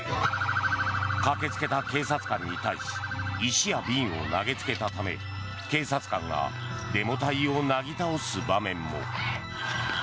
駆けつけた警察官に対し石や瓶を投げつけたため警察官がデモ隊をなぎ倒す場面も。